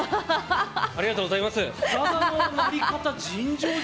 ありがとうございます。